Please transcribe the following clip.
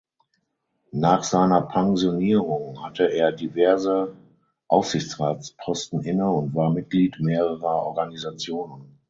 Nach seiner Pensionierung hatte er diverse Aufsichtsratsposten inne und war Mitglied mehrerer Organisationen.